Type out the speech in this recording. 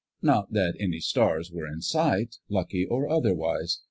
Not that any stars were in sight, lucky or otherwise.